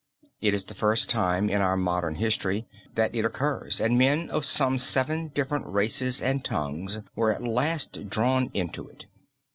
It is the first time in our modern history that it occurs and men of some seven different races and tongues were at last drawn into it.